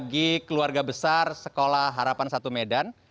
bagi keluarga besar sekolah harapan satu medan